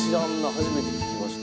初めて聴きました」